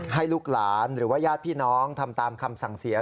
ให้ลูกหลานหรือว่าญาติพี่น้องทำตามคำสั่งเสีย